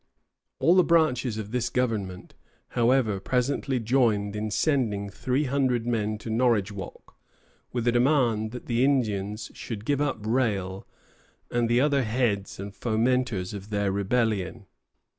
All the branches of the government, however, presently joined in sending three hundred men to Norridgewock, with a demand that the Indians should give up Rale "and the other heads and fomenters of their rebellion."